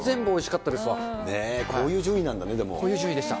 ねぇ、こういう順位なんだね、こういう順位でした。